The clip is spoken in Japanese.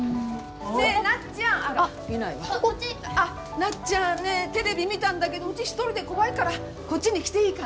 なっちゃんねえテレビ見たんだけどうち一人で怖いからこっちに来ていいかな？